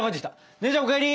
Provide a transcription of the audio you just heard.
姉ちゃんお帰り！